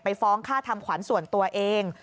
ฟ้องค่าทำขวัญส่วนตัวเอง